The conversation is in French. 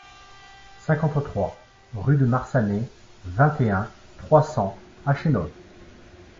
cinquante-trois rue de Marsannay, vingt et un, trois cents à Chenôve